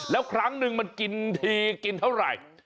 แล้วครั้งนึงมันกินทีกินเท่าไหร่